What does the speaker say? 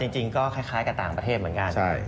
จริงก็คล้ายกับต่างประเทศเหมือนกัน